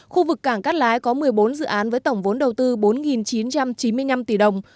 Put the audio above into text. khu vực cảng cát lái có một mươi bốn dự án với tổng vốn đầu tư bốn chín trăm chín mươi năm tỷ đồng